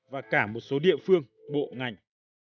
và cả một số địa phương bộ ngành